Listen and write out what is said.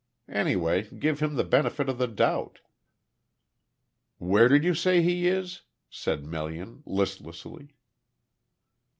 Anyway give him the benefit of the doubt." "Where did you say he is?" said Melian listlessly.